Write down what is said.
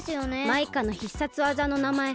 マイカの必殺技のなまえ